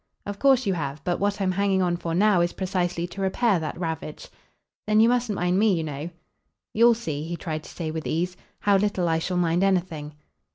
"Of course you have. But what I'm hanging on for now is precisely to repair that ravage." "Then you mustn't mind me, you know." "You'll see," he tried to say with ease, "how little I shall mind anything."